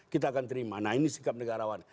kita akan terima nah ini sikap negarawan